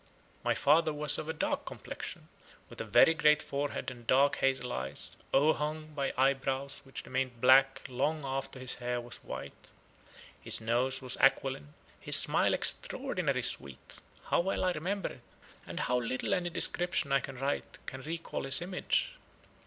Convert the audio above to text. My father was of a dark complexion, with a very great forehead and dark hazel eyes, overhung by eyebrows which remained black long after his hair was white. His nose was aquiline, his smile extraordinary sweet. How well I remember it, and how little any description I can write can recall his image!